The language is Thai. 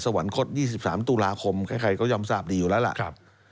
สวรรคต๒๓ตุลาคมใครก็ยอมทราบดีอยู่แล้วล่ะ